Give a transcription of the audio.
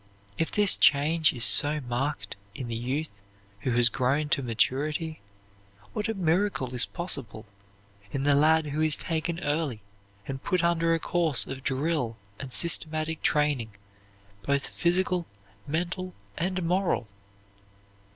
If this change is so marked in the youth who has grown to maturity, what a miracle is possible in the lad who is taken early and put under a course of drill and systematic training, both physical, mental, and moral!